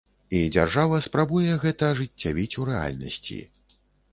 І дзяржава спрабуе гэта ажыццявіць у рэальнасці.